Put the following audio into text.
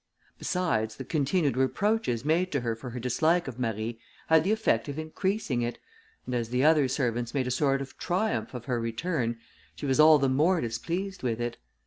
Besides, the continued reproaches made to her for her dislike of Marie had the effect of increasing it; and as the other servants made a sort of triumph of her return, she was all the more displeased with it.